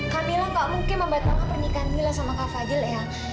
kamilah nggak mungkin membatalkan pernikahan mila sama fadil eang